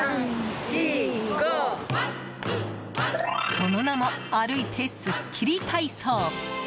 その名も、歩いてすっきり体操。